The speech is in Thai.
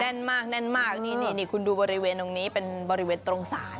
แน่นมากแน่นมากนี่คุณดูบริเวณตรงนี้เป็นบริเวณตรงศาล